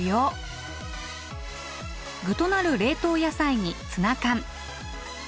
具となる冷凍野菜にツナ缶。